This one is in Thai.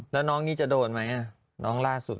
แล้วน้องนี่จะโดนมั้ยน่ะน้องล่าสุด